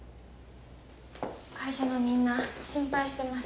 会社のみんな心配してます